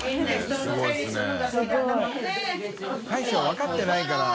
臂分かってないから。